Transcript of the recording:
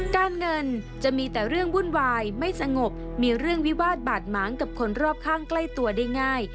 การเงินจะมีแต่เรื่องวุ่นวายไม่สงบมีเรื่องวิวาสบาดหมางกับคนรอบข้างใกล้ตัวได้ง่าย